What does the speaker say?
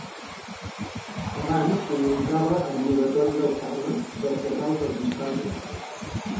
Abans comunicava amb l'oratori del Carme, del casal dels Infants Orfes.